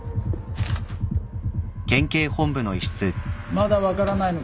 まだ分からないのか？